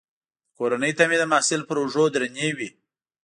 د کورنۍ تمې د محصل پر اوږو درنې وي.